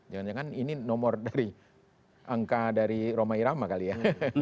jangan jangan ini nomor dari angka dari roma irama kali ya